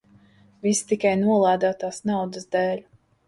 Viss tikai nolādētās naudas dēļ.